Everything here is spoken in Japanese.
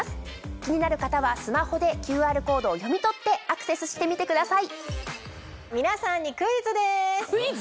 気になる方はスマホでＱＲコードを読み取ってアクセスしてみてください。